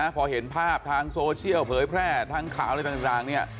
พอเห็นภาพทางโซเชียลเผยแพร่ทางข่าวอะไรต่างเนี่ย